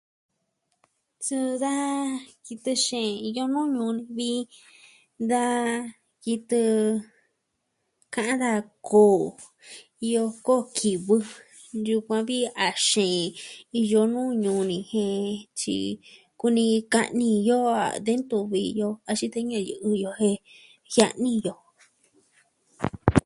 Suu da kitɨ xeen iyo nuu ñuu ni vi da kitɨ ka'an da koo, iyo koo kivɨ, yukuan vi a xeen. Iyo nuu ñuu ni jen tyi, kuni ka'ni yoo de ntu vi iyo axin te yu'u yo jen jia'ni yo.